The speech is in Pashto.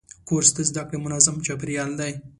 کورس د زده کړې منظم چاپېریال دی.